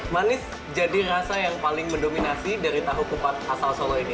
manis jadi rasa yang paling mendominasi dari tahu kupat asal solo ini